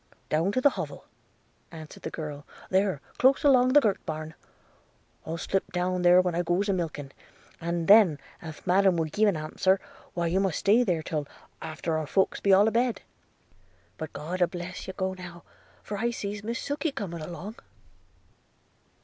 'Down to the hovel,' answered the girl, 'there, close along the gert barn – I'll slip down there when I goes a milking; and then if Madam will gi an answer, why you must stay there till after our folks be all a bed; but God a bless you go now! for I sees Miss Sukey coming along.'